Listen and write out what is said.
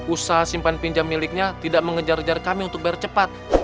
usaha simpan pinjam miliknya tidak mengejar ngejar kami untuk bayar cepat